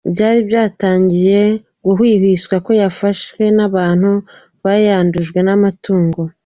Byari byatangiye guhwihwiswa ko yafashe n’abantu bayandujwe n’amatungo.